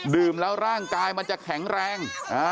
แล้วร่างกายมันจะแข็งแรง